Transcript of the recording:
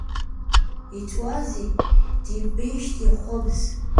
Иҵуазеи димбеижьҭеи, хәымз…